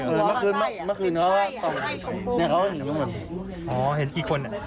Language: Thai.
เมื่อคืนเมื่อคืนเขาเนี้ยเขาเห็นกันหมดอ๋อเห็นกี่คนอ่ะ